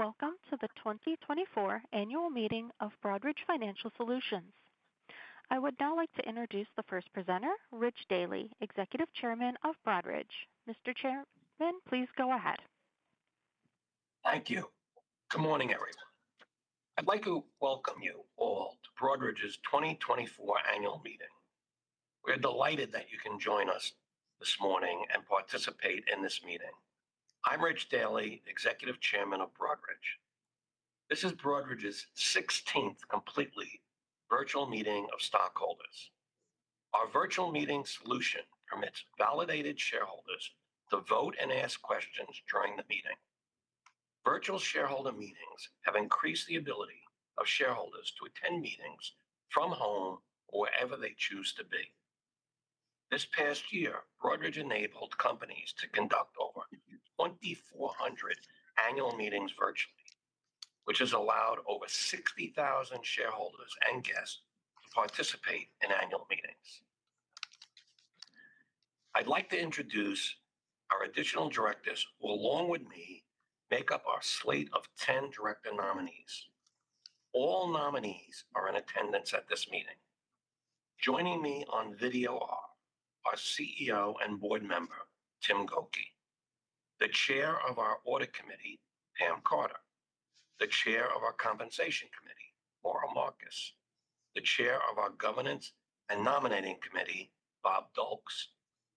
Welcome to the 2024 Annual Meeting of Broadridge Financial Solutions. I would now like to introduce the first presenter, Rich Daly, Executive Chairman of Broadridge. Mr. Chairman, please go ahead. Thank you. Good morning, everyone. I'd like to welcome you all to Broadridge's 2024 Annual Meeting. We are delighted that you can join us this morning and participate in this meeting. I'm Rich Daly, Executive Chairman of Broadridge. This is Broadridge's 16th completely virtual meeting of stockholders. Our virtual meeting solution permits validated shareholders to vote and ask questions during the meeting. Virtual shareholder meetings have increased the ability of shareholders to attend meetings from home or wherever they choose to be. This past year, Broadridge enabled companies to conduct over 2,400 annual meetings virtually, which has allowed over 60,000 shareholders and guests to participate in annual meetings. I'd like to introduce our additional directors, who along with me make up our slate of 10 director nominees. All nominees are in attendance at this meeting. Joining me on video are our CEO and board member, Tim Gokey, the chair of our Audit Committee, Pam Carter, the chair of our Compensation Committee, Maura Markus, the chair of our Governance and Nominating Committee, Bob Duelks,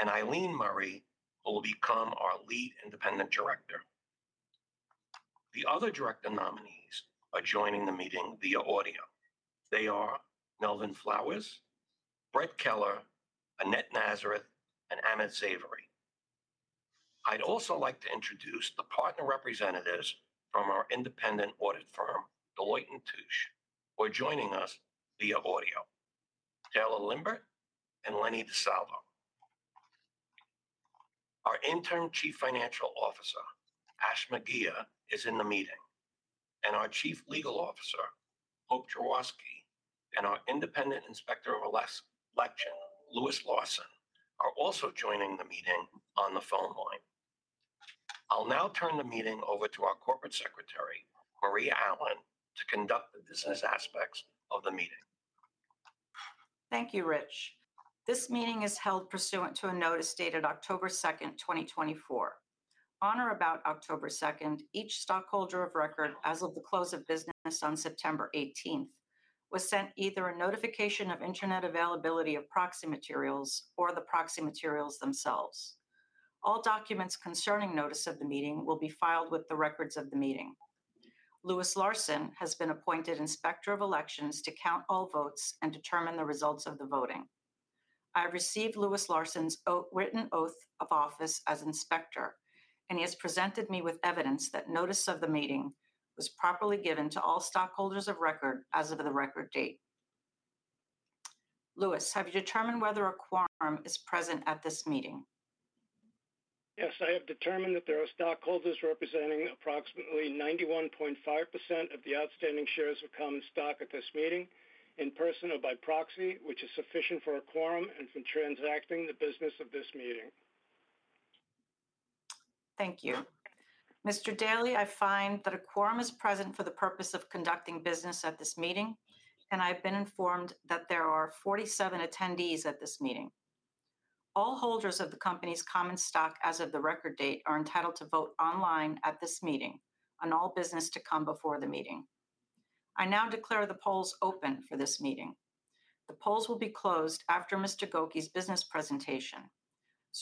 and Eileen Murray, who will become our lead independent director. The other director nominees are joining the meeting via audio. They are Melvin Flowers, Brett Keller, Annette Nazareth, and Amit Zavery. I'd also like to introduce the partner representatives from our independent audit firm, Deloitte & Touche, who are joining us via audio: Taylor Limbert and Lenny DeSalvo. Our interim Chief Financial Officer, Ashima Ghei, is in the meeting, and our Chief Legal Officer, Hope Jarkowski, and our independent inspector of election, Louis Larson, are also joining the meeting on the phone line. I'll now turn the meeting over to our Corporate Secretary, Maria Allen, to conduct the business aspects of the meeting. Thank you, Rich. This meeting is held pursuant to a notice dated October 2nd, 2024. On or about October 2nd, each stockholder of record, as of the close of business on September 18th, was sent either a notification of internet availability of proxy materials or the proxy materials themselves. All documents concerning notice of the meeting will be filed with the records of the meeting. Louis Larson has been appointed inspector of elections to count all votes and determine the results of the voting. I have received Louis Larson's written oath of office as inspector, and he has presented me with evidence that notice of the meeting was properly given to all stockholders of record as of the record date. Louis, have you determined whether a quorum is present at this meeting? Yes, I have determined that there are stockholders representing approximately 91.5% of the outstanding shares of common stock at this meeting in person or by proxy, which is sufficient for a quorum and for transacting the business of this meeting. Thank you. Mr. Daly, I find that a quorum is present for the purpose of conducting business at this meeting, and I've been informed that there are 47 attendees at this meeting. All holders of the company's common stock as of the record date are entitled to vote online at this meeting on all business to come before the meeting. I now declare the polls open for this meeting. The polls will be closed after Mr. Gokey's business presentation.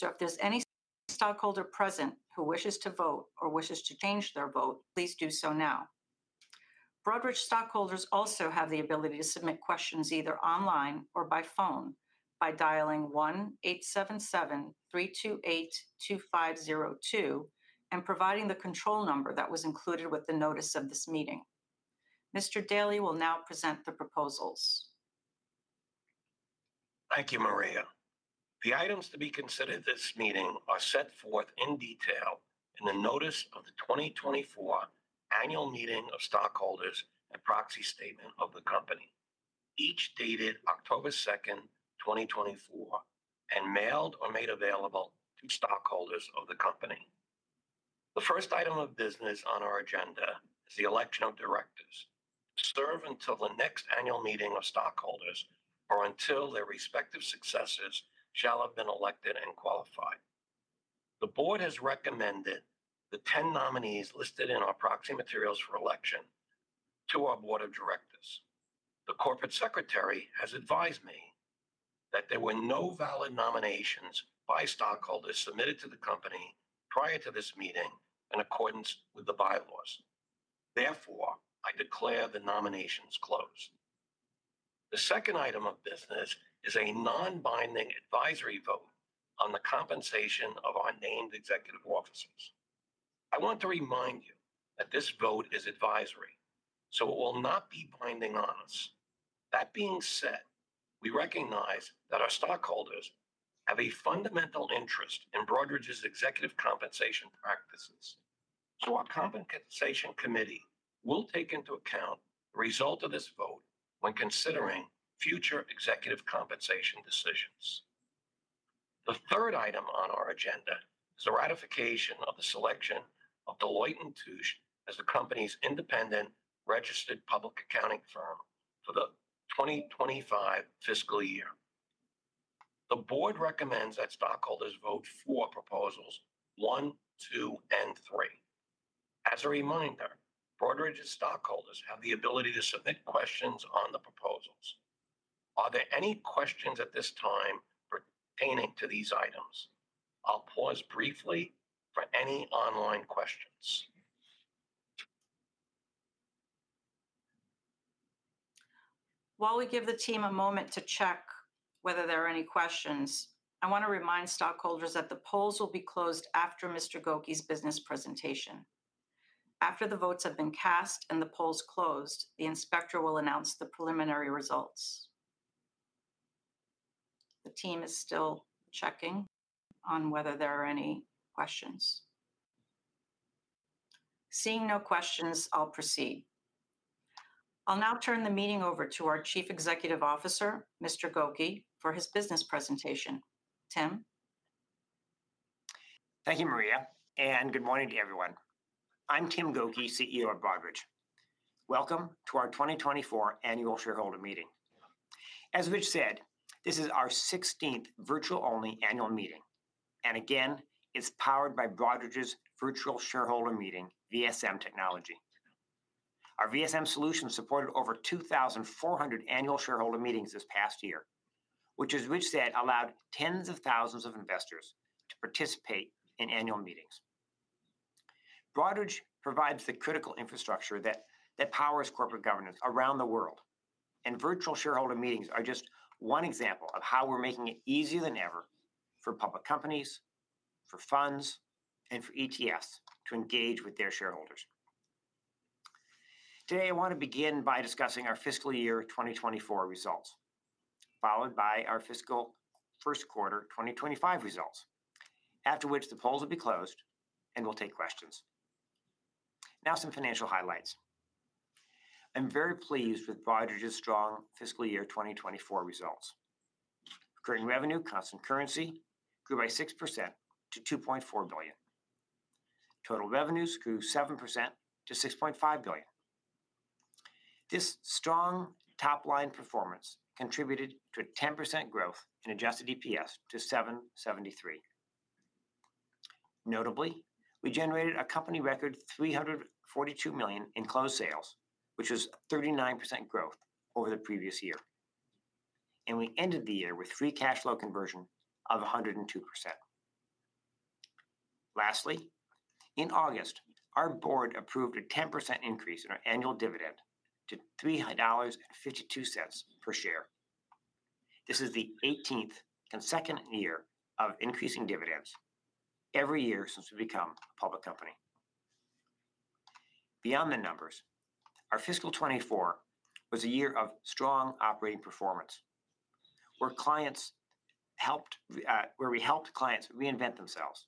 If there's any stockholder present who wishes to vote or wishes to change their vote, please do so now. Broadridge stockholders also have the ability to submit questions either online or by phone by dialing 1-877-328-2502 and providing the control number that was included with the notice of this meeting. Mr. Daly will now present the proposals. Thank you, Maria. The items to be considered at this meeting are set forth in detail in the notice of the 2024 Annual Meeting of Stockholders and Proxy Statement of the Company, each dated October 2nd, 2024, and mailed or made available to stockholders of the company. The first item of business on our agenda is the election of directors. Serve until the next annual meeting of stockholders or until their respective successors shall have been elected and qualified. The board has recommended the 10 nominees listed in our proxy materials for election to our board of directors. The corporate secretary has advised me that there were no valid nominations by stockholders submitted to the company prior to this meeting in accordance with the bylaws. Therefore, I declare the nominations closed. The second item of business is a non-binding advisory vote on the compensation of our named executive officers. I want to remind you that this vote is advisory, so it will not be binding on us. That being said, we recognize that our stockholders have a fundamental interest in Broadridge's executive compensation practices, so our Compensation Committee will take into account the result of this vote when considering future executive compensation decisions. The third item on our agenda is the ratification of the selection of Deloitte & Touche as the company's independent registered public accounting firm for the 2025 fiscal year. The Board recommends that stockholders vote for proposals one, two, and three. As a reminder, Broadridge's stockholders have the ability to submit questions on the proposals. Are there any questions at this time pertaining to these items? I'll pause briefly for any online questions. While we give the team a moment to check whether there are any questions, I want to remind stockholders that the polls will be closed after Mr. Gokey's business presentation. After the votes have been cast and the polls closed, the inspector will announce the preliminary results. The team is still checking on whether there are any questions. Seeing no questions, I'll proceed. I'll now turn the meeting over to our Chief Executive Officer, Mr. Gokey, for his business presentation. Tim. Thank you, Maria, and good morning to everyone. I'm Tim Gokey, CEO of Broadridge. Welcome to our 2024 Annual Shareholder Meeting. As Rich said, this is our 16th virtual-only annual meeting, and again, it's powered by Broadridge's Virtual Shareholder Meeting, VSM Technology. Our VSM Solutions supported over 2,400 annual shareholder meetings this past year, which, as Rich said, allowed tens of thousands of investors to participate in annual meetings. Broadridge provides the critical infrastructure that powers corporate governance around the world, and Virtual Shareholder Meetings are just one example of how we're making it easier than ever for public companies, for funds, and for ETFs to engage with their shareholders. Today, I want to begin by discussing our fiscal year 2024 results, followed by our fiscal first quarter 2025 results, after which the polls will be closed and we'll take questions. Now, some financial highlights. I'm very pleased with Broadridge's strong fiscal year 2024 results. Recurring revenue, constant currency, grew by 6% to $2.4 billion. Total revenues grew 7% to $6.5 billion. This strong top-line performance contributed to a 10% growth in adjusted EPS to 7.73. Notably, we generated a company record $342 million in closed sales, which was a 39% growth over the previous year, and we ended the year with free cash flow conversion of 102%. Lastly, in August, our board approved a 10% increase in our annual dividend to $300.52 per share. This is the 18th consecutive year of increasing dividends every year since we became a public company. Beyond the numbers, our fiscal 24 was a year of strong operating performance, where we helped clients reinvent themselves,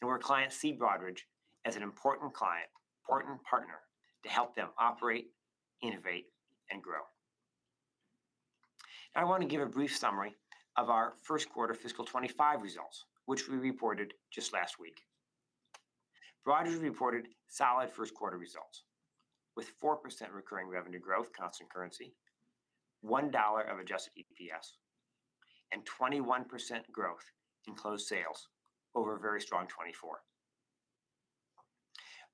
and where clients see Broadridge as an important partner to help them operate, innovate, and grow. Now, I want to give a brief summary of our first quarter fiscal 2025 results, which we reported just last week. Broadridge reported solid first quarter results with 4% recurring revenue growth, constant currency, $1 of adjusted EPS, and 21% growth in closed sales over a very strong 2024.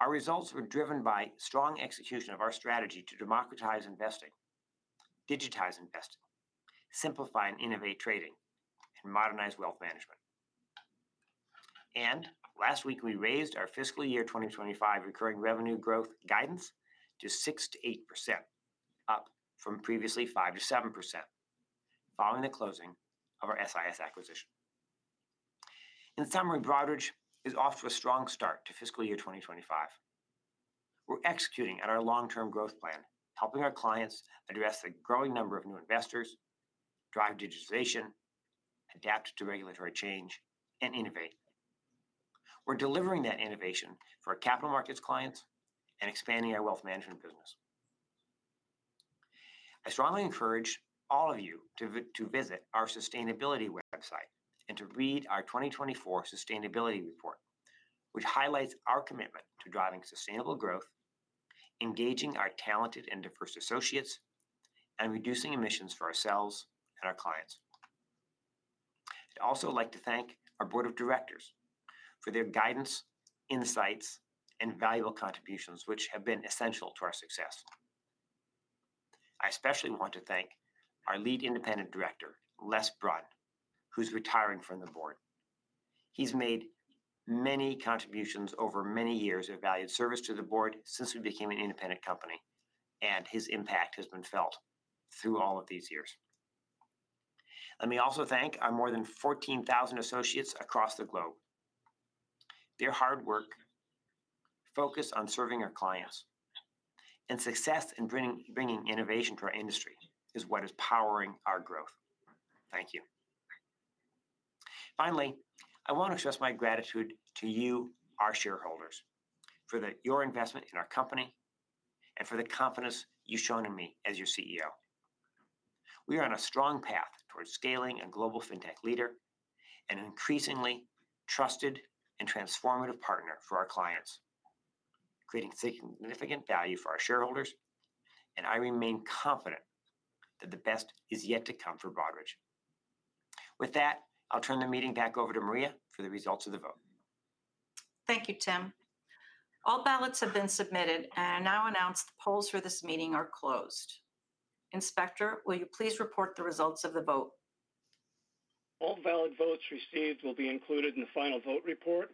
Our results were driven by strong execution of our strategy to democratize investing, digitize investing, simplify and innovate trading, and modernize wealth management. And last week, we raised our fiscal year 2025 recurring revenue growth guidance to 6%-8%, up from previously 5%-7% following the closing of our SIS acquisition. In summary, Broadridge is off to a strong start to fiscal year 2025. We're executing at our long-term growth plan, helping our clients address the growing number of new investors, drive digitization, adapt to regulatory change, and innovate. We're delivering that innovation for our capital markets clients and expanding our wealth management business. I strongly encourage all of you to visit our sustainability website and to read our 2024 Sustainability Report, which highlights our commitment to driving sustainable growth, engaging our talented and diverse associates, and reducing emissions for ourselves and our clients. I'd also like to thank our board of directors for their guidance, insights, and valuable contributions, which have been essential to our success. I especially want to thank our lead independent director, Leslie Brun, who's retiring from the board. He's made many contributions over many years of valued service to the board since we became an independent company, and his impact has been felt through all of these years. Let me also thank our more than 14,000 associates across the globe. Their hard work, focus on serving our clients, and success in bringing innovation to our industry is what is powering our growth. Thank you. Finally, I want to express my gratitude to you, our shareholders, for your investment in our company and for the confidence you've shown in me as your CEO. We are on a strong path towards scaling a global fintech leader and an increasingly trusted and transformative partner for our clients, creating significant value for our shareholders, and I remain confident that the best is yet to come for Broadridge. With that, I'll turn the meeting back over to Maria for the results of the vote. Thank you, Tim. All ballots have been submitted, and I now announce the polls for this meeting are closed. Inspector, will you please report the results of the vote? All valid votes received will be included in the final vote report.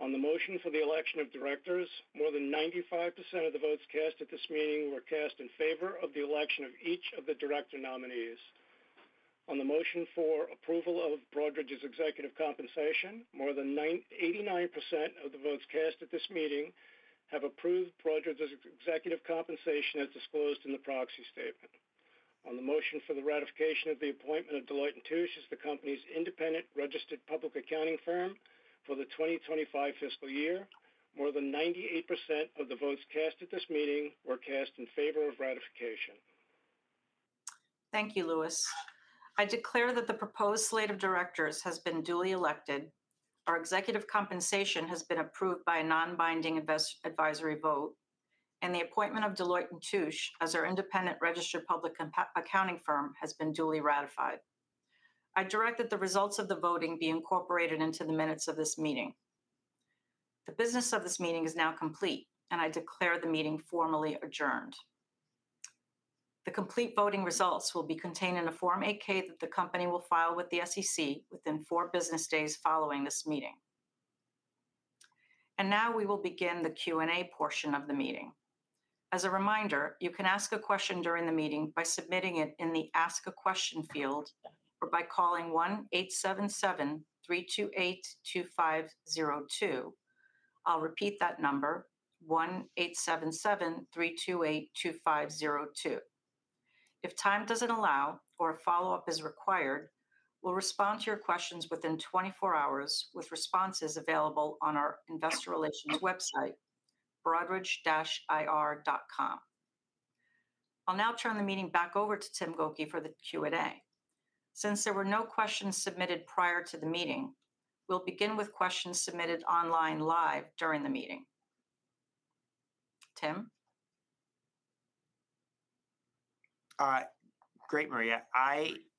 On the motion for the election of directors, more than 95% of the votes cast at this meeting were cast in favor of the election of each of the director nominees. On the motion for approval of Broadridge's executive compensation, more than 89% of the votes cast at this meeting have approved Broadridge's executive compensation as disclosed in the proxy statement. On the motion for the ratification of the appointment of Deloitte & Touche as the company's independent registered public accounting firm for the 2025 fiscal year, more than 98% of the votes cast at this meeting were cast in favor of ratification. Thank you, Louis. I declare that the proposed slate of directors has been duly elected, our executive compensation has been approved by a non-binding advisory vote, and the appointment of Deloitte & Touche as our independent registered public accounting firm has been duly ratified. I direct that the results of the voting be incorporated into the minutes of this meeting. The business of this meeting is now complete, and I declare the meeting formally adjourned. The complete voting results will be contained in a Form 8-K that the company will file with the SEC within four business days following this meeting. And now we will begin the Q&A portion of the meeting. As a reminder, you can ask a question during the meeting by submitting it in the Ask a Question field or by calling 1-877-328-2502. I'll repeat that number, 1-877-328-2502. If time doesn't allow or a follow-up is required, we'll respond to your questions within 24 hours with responses available on our investor relations website, broadridge-ir.com. I'll now turn the meeting back over to Tim Gokey for the Q&A. Since there were no questions submitted prior to the meeting, we'll begin with questions submitted online live during the meeting. Tim? Great, Maria.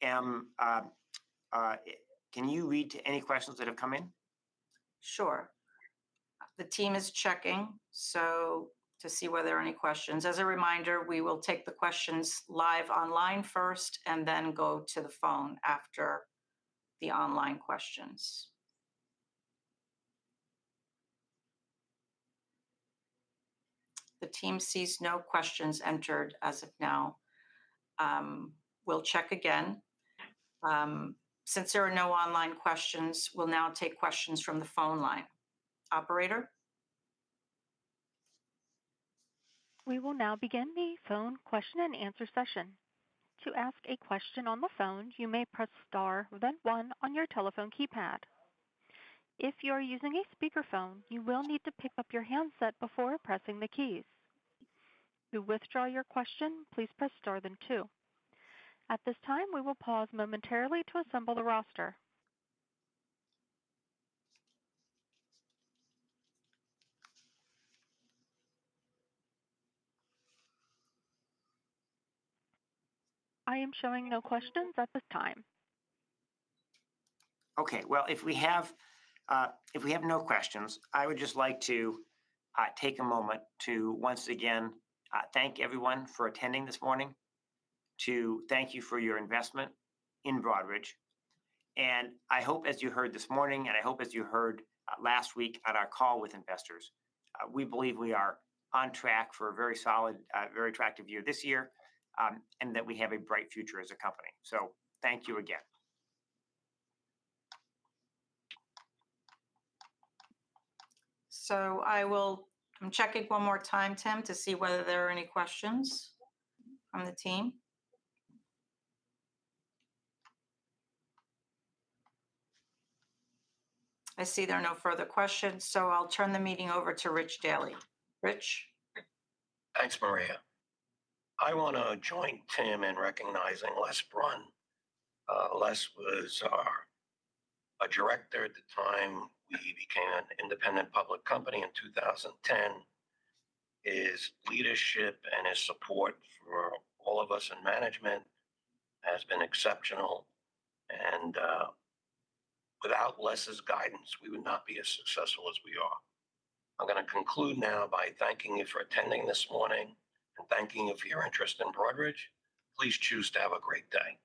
Can you read out any questions that have come in? Sure. The team is checking to see whether there are any questions. As a reminder, we will take the questions live online first and then go to the phone after the online questions. The team sees no questions entered as of now. We'll check again. Since there are no online questions, we'll now take questions from the phone line. Operator? We will now begin the phone question and answer session. To ask a question on the phone, you may press star then one on your telephone keypad. If you are using a speakerphone, you will need to pick up your handset before pressing the keys. To withdraw your question, please press star then two. At this time, we will pause momentarily to assemble the roster. I am showing no questions at this time. Okay. Well, if we have no questions, I would just like to take a moment to once again thank everyone for attending this morning, to thank you for your investment in Broadridge. And I hope, as you heard this morning, and I hope, as you heard last week at our call with investors, we believe we are on track for a very solid, very attractive year this year and that we have a bright future as a company. So thank you again. So I'm checking one more time, Tim, to see whether there are any questions from the team. I see there are no further questions, so I'll turn the meeting over to Rich Daly. Rich? Thanks, Maria. I want to join Tim in recognizing Leslie Brun. Leslie was our director at the time we became an independent public company in 2010. His leadership and his support for all of us in management has been exceptional. And without Leslie's guidance, we would not be as successful as we are. I'm going to conclude now by thanking you for attending this morning and thanking you for your interest in Broadridge. Please choose to have a great day.